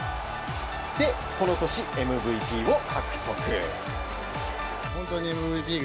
この年、ＭＶＰを獲得。